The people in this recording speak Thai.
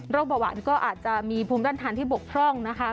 เบาหวานก็อาจจะมีภูมิต้านทานที่บกพร่องนะคะ